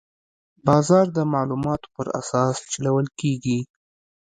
بازار د معلوماتو پر اساس چلول کېږي.